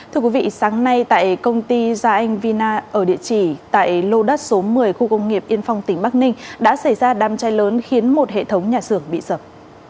thưa quý vị sáng nay tại công ty gia anh vina ở địa chỉ tại lô đất số một mươi khu công nghiệp yên phong tỉnh bắc ninh đã xảy ra đám cháy lớn khiến một hệ thống nhà xưởng bị sập